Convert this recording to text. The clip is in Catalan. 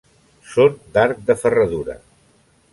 Són d'arc de ferradura.